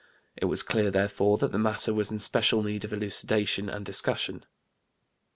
It was clear, therefore, that the matter was in special need of elucidation and discussion.